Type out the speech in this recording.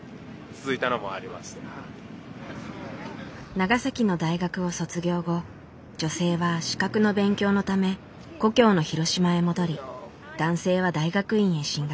長崎の大学を卒業後女性は資格の勉強のため故郷の広島へ戻り男性は大学院へ進学。